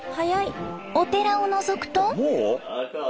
お寺をのぞくと。